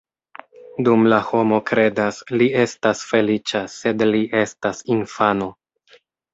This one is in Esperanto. Dum la homo kredas, li estas feliĉa, sed li estas infano.